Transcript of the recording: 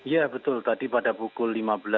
ya betul tadi pada pukul lima belas